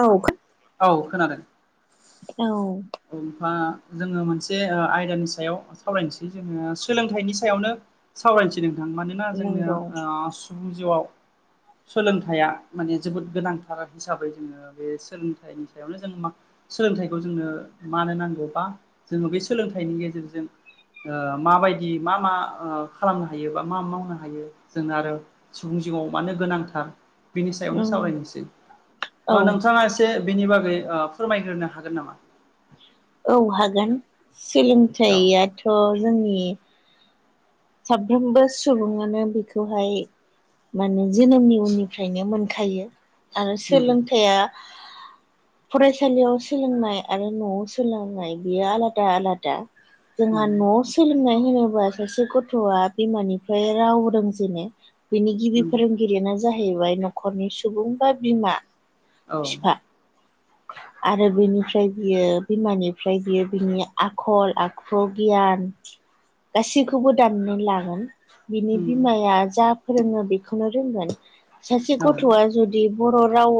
औ खो औ खोनादों। औ ओमफा जोङो मोनसे ओ आयदानि सायाव सावरायनसै जोङो सोलोंथाइनि सायावनो सावरायनसै नोंथां। मानोना जोंनो नंगौ ओ सुबुं जिउआव सोलोंथाइया माने जोबोद गोनांथार हिसाबै जोङो ओ बे सोलोंथाइनि सायावनो जों मा सोलोंथाइखौ जोंनो मानो नांगौबा जोङो बे सोलोंथाइनि गेजेरजों ओ माबायदि मा मा ओ खालामनो हायो बा मा मावनो हायो जों आरो सुबुं जिउआव मानो गोनांथार बिनि सायावनो उम सावरायनोसै। औ ओ नोंथाङा एस से बिनि बागै ओ फोरमायग्रोनो हागोन नामा? औ हागोन। औ सोलोंथाइआथ' जोंनि साफ्रोमबो सुबुङानो बिखौहाय माने जोनोमनि उननिफ्रायनो मोनखायो आरो नंगौ सोलोंथाइआ [inaudible] फरायसालियाव सोलोंनाय आरो न'आव सोलोंनाय बियो आलादा आलादा। औ जोंहा न'आव सोलोंनाय होनोबा सासे गथ थ'आ बिमानिफ्राय राव रोंजेनो। बिनि गिबि नंगौ फोरों गिरियानो जाहैबाय न'खरनि सुबुं बा बिमा। औ। बिफा आरो बिनिफ्राय बियो बिमानिफ्राय बियो बिनि आखल आखु गियान गासिखौबो दान्नानै लागोन। बिनि नंगौ बिमाया जा फोरोङो बेखौनो रोंगोन सासे औ गथ'आ जुदि बर' राव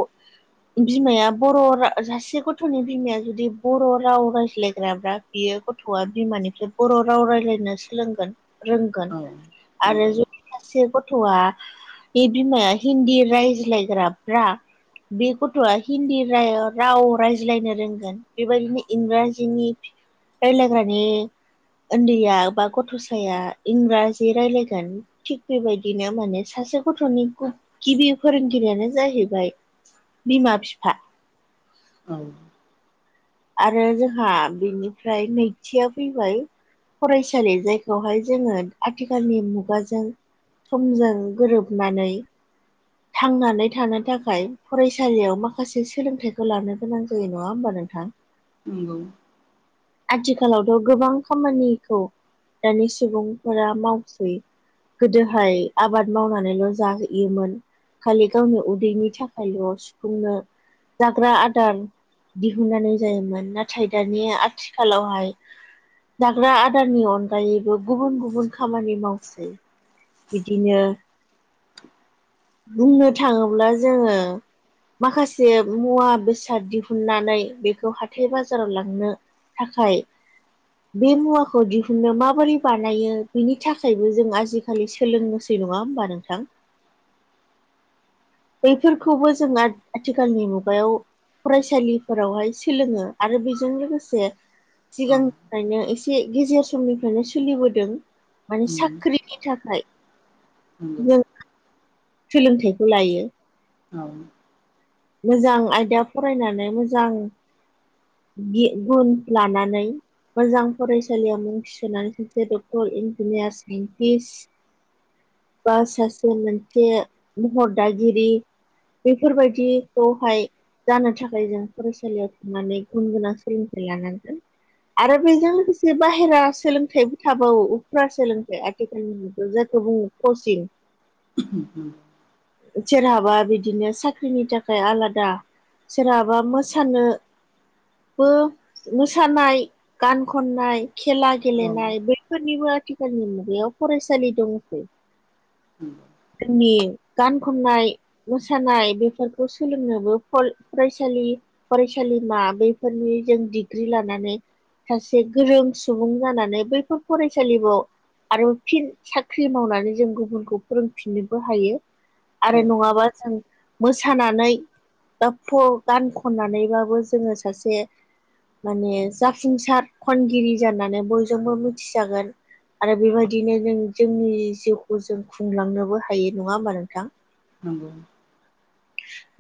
बिमाया बर' रा सासे गथ'नि बिमाया जुदि बर' राव रायज्लायग्राब्रा बियो गथ'आ बिमानिफ्राय बर' राव रायलायनो सोलोंगोन रोंगोन औ आरो नंगौ जु सासे गथ'आ बे बिमाया हिन्दी रायज्लायग्राब्रा बे गथ'आ हिन्दी राय राव रायज्लायनो रोंगोन बेबायदिनो इंराजिनि रायलायग्रानि ओन्दैया बा गथ'साया इंराजि रायलायगोन। थिग बेबायदिनो माने सासे गथ'नि ग-गिबि फोरोंगिरियानो जाहैबाय बिमा-बिफा। औ। आरो जोंहा बिनिफ्राय नैथिया फैबाय फरायसालि जायखौहाय जोङो आथिखालनि मुगाजों समजों गोरोबनानै थांनानै थानो थाखाय फरायसालियाव माखासे सोलोंथाइखौ लानो गोनां जायो नङा होमबा नोंथां? नंगौ। आथिखालावथ' गोबां खामानिखौ दानि सुबुंफोरा मावसै। गोदोहाय आबाद मावनानैल' जाहैयोमोन। खालि गावनि उदैनि थाखायल' सुफुंनो जाग्रा आदार दिहुननानै जायोमोन। नाथाय दानि आथिखालावहाय जाग्रा आदारनि अनगायैबो गुबुन गुबुन खामानि मावसै। बिदिनो बुंनो थाङोब्ला जोङो माखासे मुवा बेसाद दिहुननानै बेखौ हाथाय बाजाराव लांनो थाखाय बे मुवाखौ दिहुननो माबोरै बानायो बिनि थाखायबो जों आजि खालि सोलोंनोसै नङा होमबा नोंथां? बैफोरखौबो जों आ-आथिखालनि मुगायाव फरायसालिफोरावहाय सोलोङो आरो बेजों लोगोसे औ सिगांनिफ्रायनो एसे गेजेर समनिफ्रायनो सोलिबोदों। माने उम साख्रिनि थाखाय। नंगौ जों सोलोंथाइखौ लायो। औ मोजां आयदा फरायनानै मोजां गि गुन लानानै मोजां फरायसालियाव मुं थिसननानै सासे डक्टर, इन्जिनियार, साइन्टिस्ट बा सासे मोनसे महर दागिरि बेफोरबायदि बेवहाय जानो थाखाय जों फरायसालियाव थांनानै गुन गोनां सोलोंथाइ लानांगोन। आरो बेजों लोगोसे बाहेरा सोलोंथाइबो थाबावो उफ्रा सोलोंथाइ आथिखालनि मुगायाव जायखौ बुङो कचिं। [unintelligible] सोरहाबा बिदिनो साख्रिनि थाखाय थाखाय आलादा सोरहाबा मोसानो बो मोसानाय गान खननाय खेला औ नंगौ औ गेलेनाय बैफोरनिबो आथिखालनि मुगायाव फरायसालि दङसै। उम जोंनि गान खननाय, मोसानाय बेफोरखौ सोलोंनोबो फरायसालि फरायसालिमा बेफोरनि जों डिग्रि लानानै सासे गोरों सुबुं जानानै बैफोर फरायसालिफोराव आरो फिन साख्रि मावनानै जों गुबुनखौ फोरोंफिननोबो हायो। आरो नङाबा जों मोसानानै बा गान खननानैबाबो जोङो सासे माने जाफुंसार खनगिरि जानानै बयजोंबो मिथिजागोन। आरो बेबायदिनो जों-जोंनि जिउखौ जों खुंलांनोबो हायो नङा होमा नोंथां? नंगौ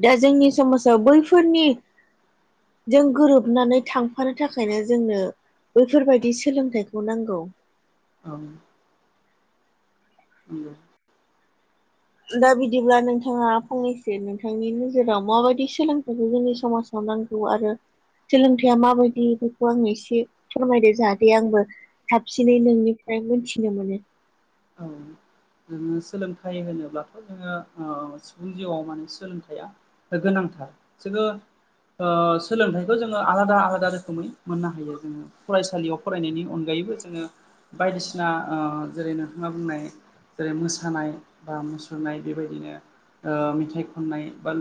दा जोंनि समाजाव बैफोरनि जों गोरोबनानै थांफानो थाखायनो जोंनो बैफोरबायदि सोलोंथाइखौ नांगौ। औ उम दा बिदिब्ला नोंथाङा फंनैसो नोंथांनि नोजोराव माबायदि सोलोंथाइखौ जोंनि समाजाव खालामनांगौ आरो सोलोंथाइया माबायदि बेखौ आं एसे फोरमायदो जाहाथे आंबो साबसिनै नोंनिफ्राय मोनथिनो मोनो। औ। जोङो सोलोंथाइ होनोब्लाथ' जोङो सुबुं जिउआव माने सोलोंथाइया गोनांथार। जोङो सोलोंथाइखौ जोङो आलादा आलादा रोखोमै मोननो हायो जोङो। फरायसालियाव फरायनायनि अनगायैबो जोङो बायदिसिना ओ जेरै नों थाङा बुंनाय जेरै मोसानाय बा मुसुरनाय बेबायदिनो ओ मेथाइ खननाय बा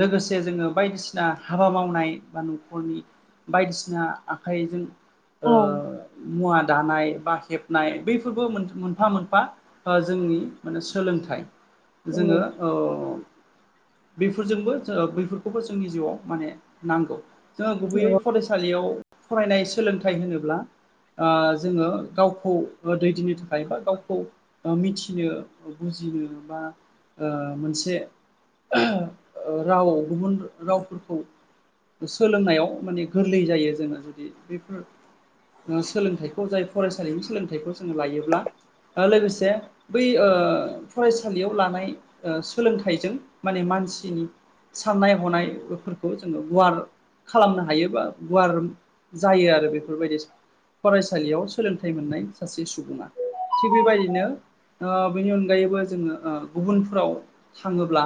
लोगोसे जोङो बायदिसिना हाबा मावनाय बा न'खरनि बायदिसिना आखाइजों ओ औ मुवा दानाय बा हेबनाय बैफोरबो मो नफा मोनफा ओ जोंनि माने सोलोंथाइ। जोङो बेफोरजोंबो बैफोरखौबो जोंनि जिउआव माने नांगौ। जोङो गुबैयै फरायसालियाव फरायनाय सोलोंथाइ होनोब्ला जोङो गावखौ दैदेननो थाखाय बा ओ गावखौ मिथिनो बुजिनो बा ओ मोनसे राव गुबुन रावफोरखौ सोलोंनायाव माने गोरलै जायो जोङो जुदि बेफोर सोलोंथाइखौ जाय फरायसालिनि सोलोंथाइखौ जोङो लायोब्ला ओ लोगोसे बै फरायसालियाव लानाय सोलोंथाइजों माने मानसिनि साननाय हनायफोरखौ जोङो गुवार खालामनो हायो बा गुवार जायो आरो बेफोरबायदि फरायसालियाव सोलोंथाइ मोननाय सासे सुबुङा। थिग बेबायदिनो बेनि अनगायैबो जोङो गुबुनफ्राव थाङोब्ला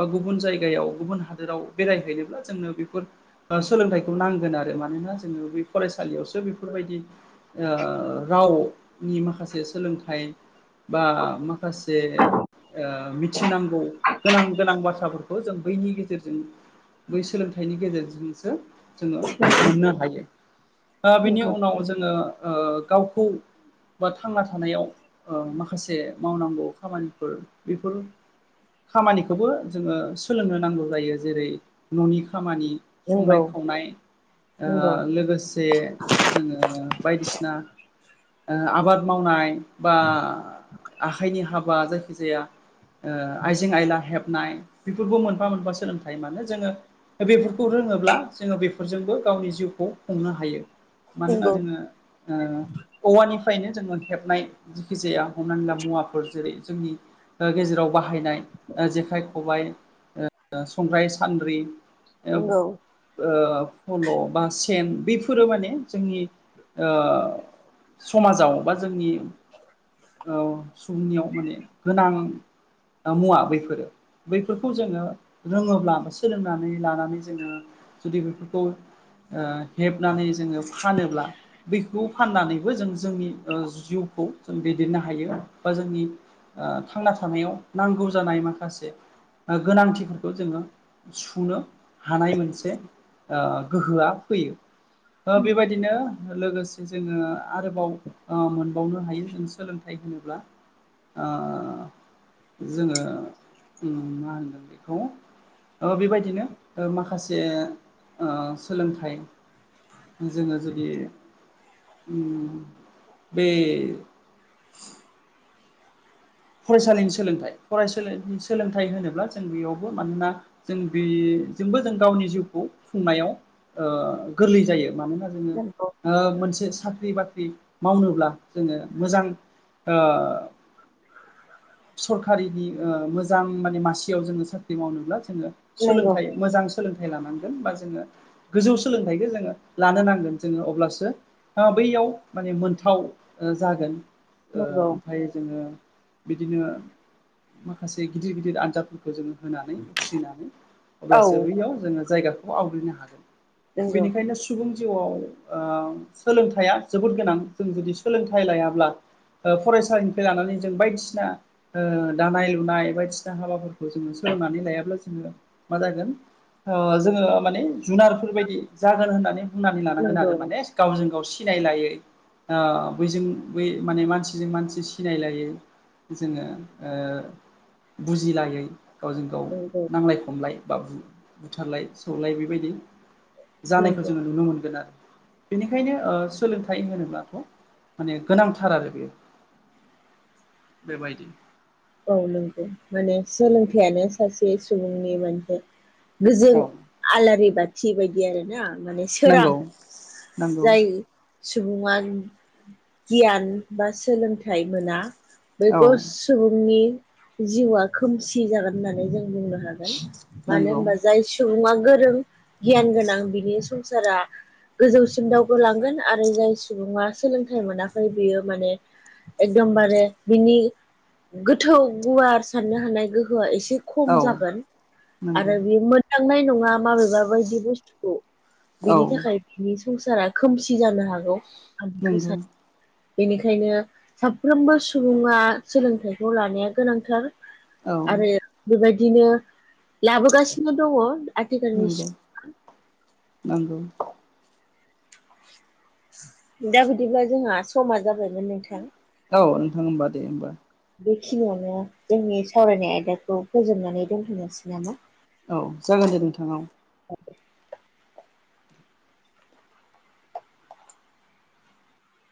बा गुबुन जायगायाव गुबुन हादोराव बेरायहैनोब्ला जोंनो बेफोर सोलोंथाइखौ नांगोन आरो मानोना जोङो बै फरायसालियाव बेफोरबायदि ओ रावनि माखासे सोलोंथाइ बा माखासे मिथिनांगौ गोनां गोनां बाथ्राफोरखौ जों बैनि गेजेरजों बै सोलोंथाइनि गेजेरजोंसो जोङो मोननो हायो। दा बेनि उनाव जोङो ओ गावखौ बा थांना थानायाव ओ माखासे मावनांगौ खामानिफोर बेफोर खामानिखौबो जोङो सोलोंनो नांगौ जायो जेरै न'नि खामानि संनाय नंगौ खावनाय नंगौ लोगोसे जोङो बायदिसिना ओ आबाद मावनाय बा आखाइनि हाबा जायखिजाया ओ आइजें आयला हेबनाय बेफोरखौ मोनफा मोनफा सोलोंथायाइ मानो जोङो दा बेफोरखौ रोङोब्ला जोङो बेफोरजोंबो गावनि जिउखौ खुंनो हायो। मानोना नंगौ जोङो ओ औवानिफ्रायनो जोङो हेबनाय जखि जाया हमनानै ला मुवाफोर जेरै जोंनि ओ गेजेराव बाहायनाय जेखाइ खबाइ संग्राय सान्द्रि ओ नंगौ फल' बा सेन बेफोरो माने जोंनि ओ समाजाव बा जोंनि औ सुबुंनियाव माने गोनां मुवा बैफोरो। बैफोरखौ जोङो रोङोब्ला बा सोलोंनानै लानानै जोङो जुदि बेफोरखौ ओ हेबनानै जोङो फानोब्ला, बैखौ फाननानै बेबो जों जोंनि ओ जिउखौ जों दैदेननो हायो बा जोंनि ओ थांना थानायाव नांगौ जानाय माखासे ओ गोनांथिफोरखौ जोङो सुनो हानाय मोनसे ओ गोहोआ फैयो। ओ बेबायदिनो लोगोसे जोङो आरोबाव ओ मोनबावनो हायो जों सोलोंथाइ होनोब्ला ओ जोङो ओ मा होनो बेखौ ओ बेबायदिनो ओ माखासे सोलोंथाइ जोङो जुदि बे फरायसालिनि सोलोंथाइ फरायसालिनि सोलोंथाइ होनोब्ला जों बेयावबो मानोना जों बेजोंबो जों गावनि जिउखौ खुंनायाव ओ गोरलै जायो मानोना रोङो, नंगौ ओ मोनसे साख्रि बाख्रि मावनोब्ला जोङो मोजां ओ सरखारिनि ओ मोजां माने मासेयाव जोङो साख्रि मावनोब्ला जोङो नंगौ नंगौ सोलोंथाइ मोजां सोलोंथाइ लानांगोन बा जोङो गोजौ सोलोंथाइखौ जोङो लानो नांगोन जोङो अब्लासो ओ बैयाव माने मोनथाव ओ जागोन ओ नंगौ ओमफाय जोङो बिदिनो माखासे गिदिर गिदिर आनजाद खौ जोङो होनानै उथ्रिनानै औ अब्लासो बैयाव जोङो जायगाखौ आवग्रिनो हागोन। नंगौ बेनिखायनो सुबुं जिउआव ओ सोलोंथाइया जोबोद गोनां जों जुदि सोलोंथाइ लायाब्ला ओ फरायसालिनिफ्राय लानानै जों बायदिसि ना ओ दानाय लुनाय बायदिसिना हाबाफोरखौ जोङो सोलोंनानै लायाब्ला जोङो मा जागोन ओ जोङो माने जुनारफोरबायायदि जागोन होननानै बुंनानै लानांगोन आरो माने गावजों गाव सिनायलायै ओ बैजों बै माने मानसिजों मानसि सिनायलायै जोङो ओ बुजिलायै गावजों गाव नांलाय खमलाय बा बु बुथारलाय सौलाय बेबायदि जानायखौ जोङो नुनो मोनगोन आरो बेनिखायनो ओ सोलोंथाइ होनोब्लाथ' माने गोनांथार आरो बेयो बेबायायदि औ नंगौ माने सोलोंथाइयानो सासे सुबुंनि मोनसे गोजों औ आलारि बाथि बायदि आरो ना। माने सोरां नंगौ नंगौ जायो सुबुङा गियान बा सोलोंथाइ मोना औ बेखौ सुबुंनि जिउआ खोमसि जागोन होननानै जों बुंनो हा गोन मानो नंगौ होनबा जाय सुबुङा गोरों गियान गोनां बिनि संसारा गोजौसिम दावगालांगोन आरो जाय सुबुङा सोलोंथाइ मोनाखै बियो माने एकदमबारे बिनि गोथौ गुवार साननो हानाय गोहोआ एसे खम औ जागोन नंगौ आरो बियो मो खांनाय नङा माबेबावबायदि बुस्थुखौ औ बिनि थाखाय बे संसारा खोमसि जानो हागौ आं बेखौ नंगौ सानो बेनिखायनो साफ्रोमबो सुबुङा सोलोंथाइखौ लानाया गोनांथार। औ आरो बेबायदिनो लाबोगासिनो दङ। आथिखालनि नंगौ नंगौ दा बिदिब्ला जोंहा समा जाबायमोन नोंथां औ नोंथां होमबा दे होमबा बेखिनियावनो जोंनि सावरायनाय आयदाखौ फोजोबनानै दोनथनोसै नामा? औ जागोन दे नोंथां औ